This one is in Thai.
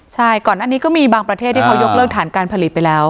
ใช่ก่อนอันนี้ก็มีบางประเทศที่เขายกเลิกฐานการผลิตไปแล้ว